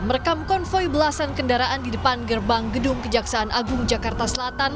merekam konvoy belasan kendaraan di depan gerbang gedung kejaksaan agung jakarta selatan